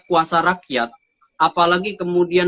kuasa rakyat apalagi kemudian